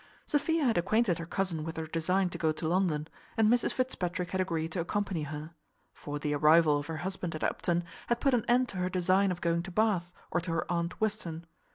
Sophia had acquainted her cousin with her design to go to London; and Mrs Fitzpatrick had agreed to accompany her; for the arrival of her husband at Upton had put an end to her design of going to Bath, or to her aunt Western.